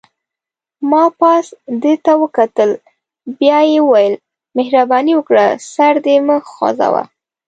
ما پاس ده ته وکتل، بیا یې وویل: مهرباني وکړه سر دې مه خوځوه.